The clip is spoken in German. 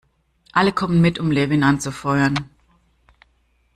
Alle kommen mit, um Levin anzufeuern.